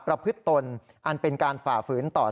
เพราะว่ามีทีมนี้ก็ตีความกันไปเยอะเลยนะครับ